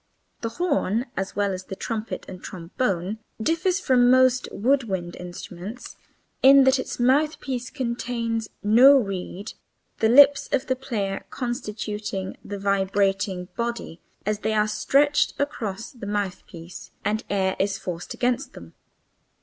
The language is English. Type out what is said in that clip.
The horn (as well as the trumpet and trombone) differs from most of the wood wind instruments in that its mouthpiece contains no reed, the lips of the player constituting the vibrating body as they are stretched across the mouthpiece and air is forced against them.